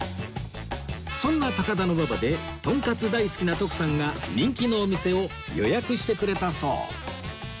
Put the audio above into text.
そんな高田馬場でとんかつ大好きな徳さんが人気のお店を予約してくれたそう